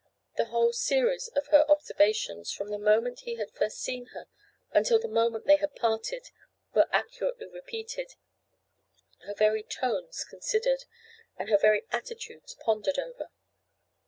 The whole series of her observations, from the moment he had first seen her until the moment they had parted, were accurately repeated, her very tones considered, and her very attitudes pondered over.